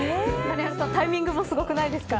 タイミングもすごくないですか。